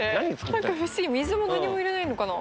何か不思議水も何にも入れないのかな？